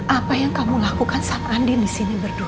apa yang kamu lakukan sama andin disini berdua